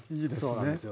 そうなんですよ。